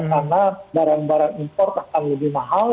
karena barang barang import akan lebih mahal